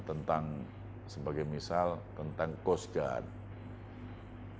tentang sebagai misal tentang coast guard